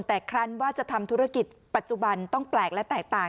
แต่ครั้นว่าจะทำธุรกิจปัจจุบันต้องแปลกและแตกต่าง